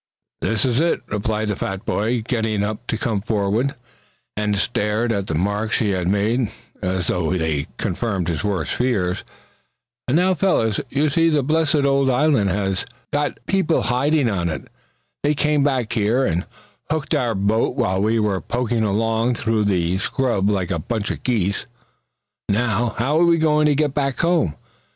"That, you're IT," replied the fat boy, getting up to come forward, and stare at the marks he had made, as though they confirmed his worst fears. "And now fellers, you see the blessed old island has got people hidin' on it! They came back here and hooked our boat while we were poking along through the scrub like a bunch of geese. Now, how are we going to get back home?